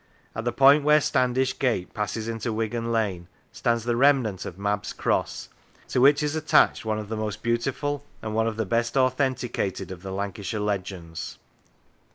At the point where Standish Gate passes into Wigan Lane stands the remnant of Mab's Cross ? to which is attached one of the most beautiful and one of the best authenticated of the Lancashire legends.